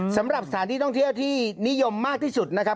สำหรับสถานที่ท่องเที่ยวที่นิยมมากที่สุดนะครับ